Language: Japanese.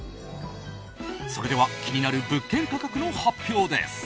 それでは気になる物件価格の発表です。